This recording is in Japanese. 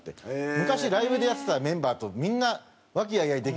昔ライブでやってたメンバーとみんな和気あいあいできる。